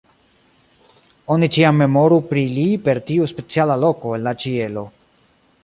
Oni ĉiam memoru pri li per tiu speciala loko en la ĉielo.